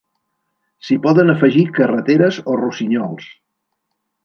S'hi poden afegir carreteres o rossinyols.